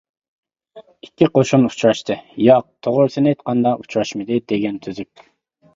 «ئىككى قوشۇن ئۇچراشتى، ياق توغرىسىنى ئېيتقاندا ئۇچراشمىدى» دېگەن تۈزۈك.